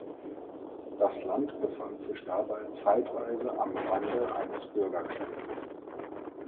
Das Land befand sich dabei zeitweise am Rande eines Bürgerkrieges.